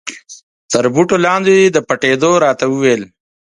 تر بوټو لاندې د پټېدو را ته و ویل.